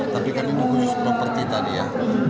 tapi kan ini berhubungan properti tadi ya